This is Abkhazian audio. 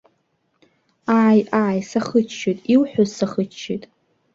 Ааи, ааи, сахыччоит, иуҳәаз сахыччоит!